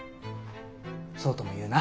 そうとも言うな。